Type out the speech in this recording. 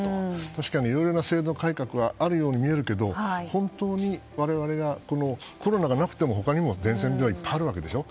確かに、いろんな制度改革があるように見えるけど本当に我々がコロナがなくても他にも伝染病はいっぱいあるわけでしょ。